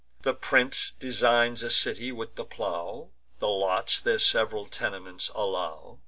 The prince designs a city with the plow; The lots their sev'ral tenements allow.